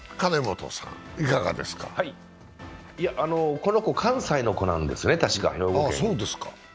この子関西の子なんですねたしか。